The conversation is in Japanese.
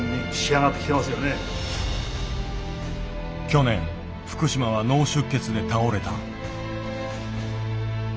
去年福島は脳出血で倒れた。